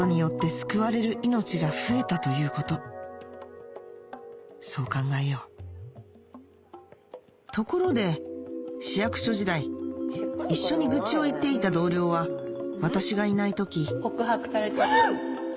救われる命が増えたということそう考えようところで市役所時代一緒に愚痴を言っていた同僚は私がいない時告白されちゃった。